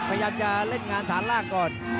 พยายามจะเล่นงานฐานล่างก่อน